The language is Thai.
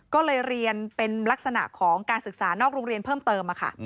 ก็เลยเรียนเป็นลักษณะของการศึกษานอกโรงเรียนเพิ่มเติม